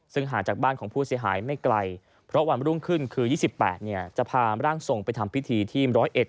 ซึ่งห่างจากบ้านของผู้เสียหายไม่ไกลเพราะวันรุ่งขึ้นคือ๒๘จะพาร่างทรงไปทำพิธีที่๑๐๑